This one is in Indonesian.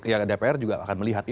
ya dpr juga akan melihat